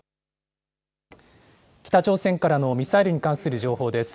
北朝鮮からのミサイルに関する情報です。